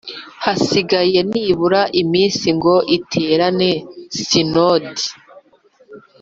Hasigaye nibura iminsi ngo iterane sinodi